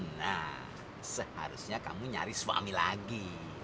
nah seharusnya kamu nyari suami lagi